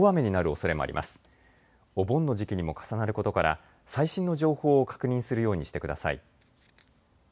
お盆の時期にも重なることから最新の情報を確認するようにしてください。